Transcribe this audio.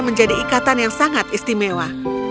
menjadi ikatan yang sangat istimewa